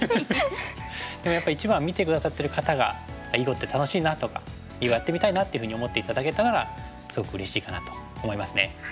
でもやっぱり一番は見て下さってる方が「囲碁って楽しいな」とか「囲碁やってみたいな」っていうふうに思って頂けたならすごくうれしいかなと思いますね。